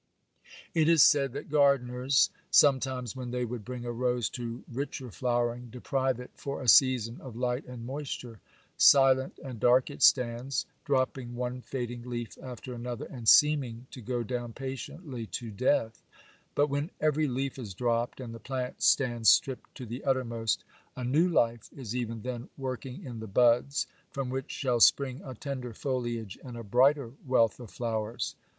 It is said that gardeners, sometimes, when they would bring a rose to richer flowering, deprive it for a season of light and moisture. Silent and dark it stands, dropping one fading leaf after another, and seeming to go down patiently to death. But when every leaf is dropped, and the plant stands stripped to the uttermost, a new life is even then working in the buds, from which shall spring a tender foliage and a brighter wealth of flowers.